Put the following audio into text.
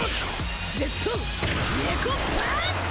ジェットネコパーンチ！！